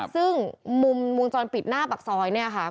ซึ่งมุมวงจรปิดหน้าปากซอยเนี่ยค่ะ